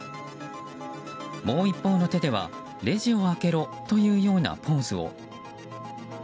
もう一方の手ではレジを開けろというようなポーズを。